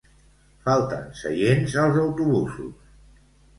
Falten seients als autobusos